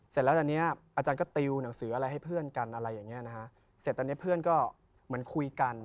เสร็จตอนนี้เพื่อนก็เหมือนคุยกัน